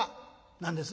「何です？」。